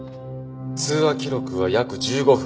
通話記録は約１５分。